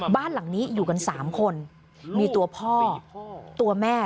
บ้านหลังนี้อยู่กัน๓คนมีตัวพ่อตัวแม่